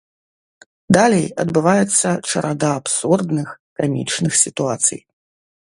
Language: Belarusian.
Далей адбываецца чарада абсурдных, камічных сітуацый.